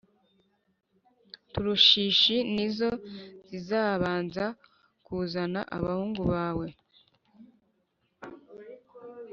Tarushishi ni zo zizabanza kuzana abahungu bawe